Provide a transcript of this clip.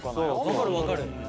分かる分かる。